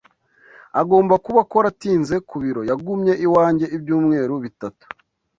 Agomba kuba akora atinze ku biro. Yagumye iwanjye ibyumweru bitatu.